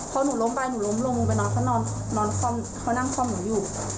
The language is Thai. พอหนูล้มไปหนูล้มลงไปนอนเขานั่งค้อหนูอยู่